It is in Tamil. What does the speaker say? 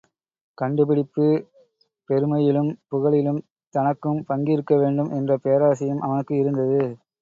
கண்டுபிடிப்பு பெருமையிலும், புகழிலும் தனக்கும் பங்கிருக்க வேண்டும் என்ற பேராசையும் அவனுக்கு இருந்தது.